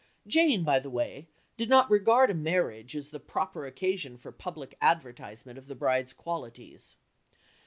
Jane, by the way, did not regard a marriage as the proper occasion for public advertisement of the bride's qualities.